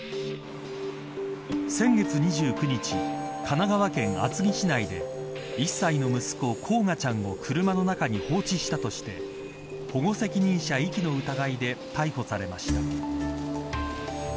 先月２９日神奈川県の厚木市内で１歳の息子、煌翔ちゃんを車の中に放置したとして保護責任者遺棄の疑いで逮捕されました。